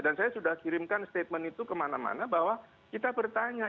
dan saya sudah kirimkan statement itu kemana mana bahwa kita bertanya